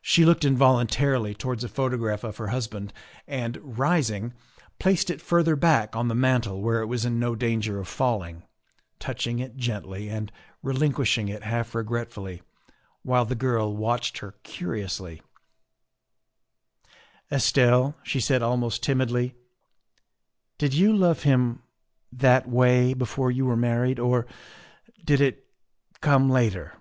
She looked involuntarily towards a photograph of her husband, and, rising, placed it further back on the mantel where it was in no danger of falling, touching it gently and relinquishing it half regretfully, while the girl watched her curiously. THE SECRETARY OF STATE 121 " Estelle," she said almost timidly, " did you love him that way before you were married, or did it come later